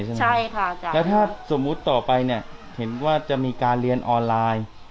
ใช่ค่ะแล้วถ้าสมมุติต่อไปเนี่ยเห็นว่าจะมีการเรียนออนไลน์